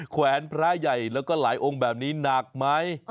แขวนพระใหญ่แล้วก็หลายองค์แบบนี้หนักไหม